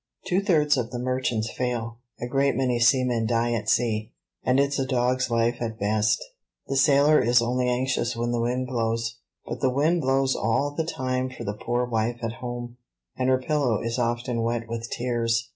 Two thirds of the merchants fail; a great many seamen die at sea, and it's a dog's life at best. The sailor is only anxious when the wind blows; but the wind blows all the time for the poor wife at home, and her pillow is often wet with tears.